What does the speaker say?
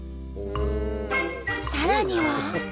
さらには。